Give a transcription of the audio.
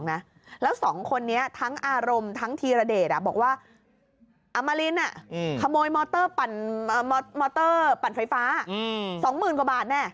อายุ๔๙กว่า๔๒น่ะ